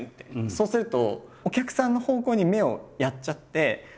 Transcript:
そうするとお客さんの方向に目をやっちゃってはっ！